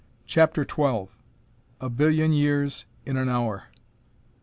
CHAPTER XII _A Billion Years in An Hour!